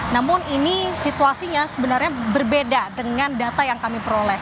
namun ini situasinya sebenarnya berbeda dengan data yang kami peroleh